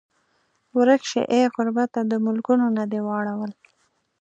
ورک شې ای غربته د ملکونو نه دې واړول